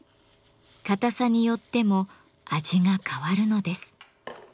硬さによっても味が変わるのです。